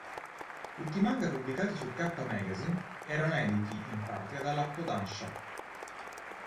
Tutti i manga pubblicati su "Kappa Magazine" erano editi in patria dalla Kōdansha.